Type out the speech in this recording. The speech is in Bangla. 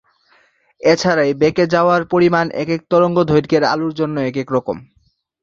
এছাড়া এই বেঁকে যাওয়ার পরিমাণ এক এক তরঙ্গদৈর্ঘ্যের আলোর জন্য এক এক রকম।